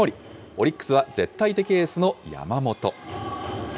オリックスは絶対的エースの山本。